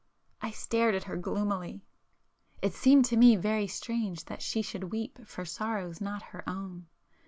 I stared at her gloomily. It seemed to me very strange that she should weep for sorrows not her own.